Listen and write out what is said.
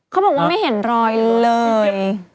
เขาบอกว่าไม่เห็นรอยเลย